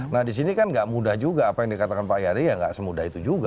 nah di sini kan nggak mudah juga apa yang dikatakan pak yary ya nggak semudah itu juga